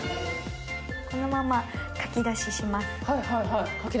このまま書き出しします。